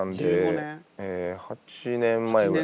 ８年前ぐらい。